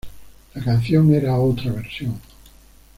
La canción era otra versión.